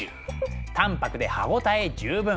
淡泊で歯応え十分。